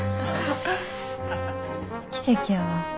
奇跡やわ。